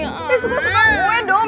eh suka suka gue dong